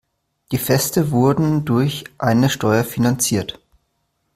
Die Feste wurden durch eine Steuer finanziert.